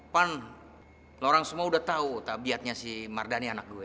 kan lu orang semua udah tahu tabiatnya si mardhani anak gue